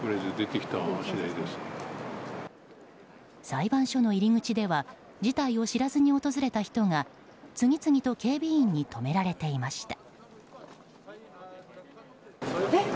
裁判所の入り口では事態を知らずに訪れた人が次々と警備員に止められていました。